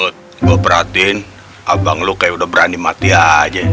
gue perhatiin abang lo kayak udah berani mati aja